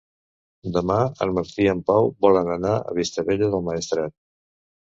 Demà en Martí i en Pau volen anar a Vistabella del Maestrat.